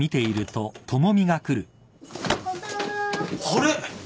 あれ？